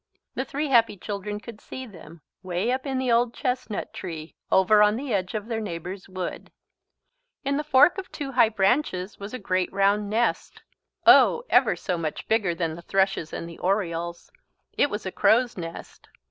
The three happy children could see them way up in the old chestnut tree over on the edge of their neighbour's wood. In the fork of two high branches was a great round nest oh ever so much bigger than the thrush's and the oriole's. It was a crow's nest.